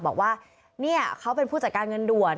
บอกว่าเนี่ยเขาเป็นผู้จัดการเงินด่วน